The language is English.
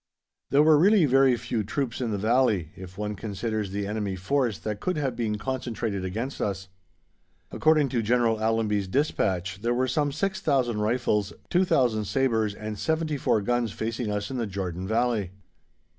There were really very few troops in the Valley, if one considers the enemy force that could have been concentrated against us. According to General Allenby's despatch, there were some 6,000 rifles, 2,000 sabres, and 74 guns facing us in the Jordan Valley.